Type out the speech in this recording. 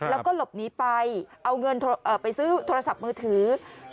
แล้วก็หลบหนีไปเอาเงินไปซื้อโทรศัพท์มือถือ